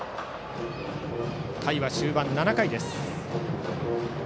回は終盤の７回です。